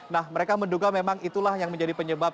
nah mereka menduga memang itulah yang menjadi penyebab